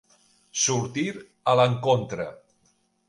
Sortir a l'encontre.